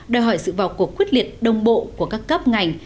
đòi hỏi sự vào cuộc quyết liệt đồng bộ của các cấp ngành